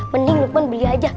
mending lukman beli aja